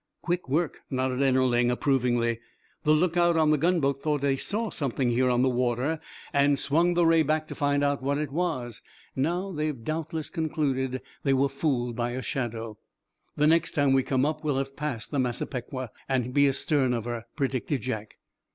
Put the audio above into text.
"Quick work," nodded Ennerling, approvingly. "The lookout on the gunboat thought they saw something here on the water, and swung the ray back to find out what it was. Now, they've doubtless concluded that they were fooled by a shadow." "The next time we come up we'll have passed the 'Massapequa' and be astern of her," predicted Jack.